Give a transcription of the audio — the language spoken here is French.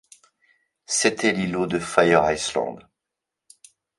C’était l’îlot de Fire-Island.